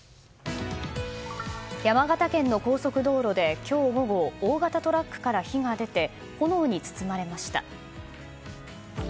山形県の高速道路で今日午後大型トラックから火が出て炎に包まれました。